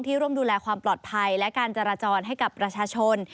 ร่วมดูแลความปลอดภัยและการจราจรให้กับประชาชน